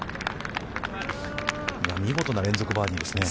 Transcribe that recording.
見事な連続バーディーですね。